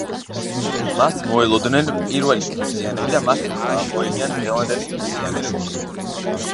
მას მოელოდნენ პირველი ქრისტიანები და მას მოელიან დღევანდელი ქრისტიანები.